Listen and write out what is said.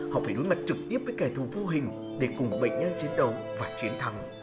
họ phải đối mặt trực tiếp với kẻ thù vô hình để cùng bệnh nhân chiến đấu và chiến thắng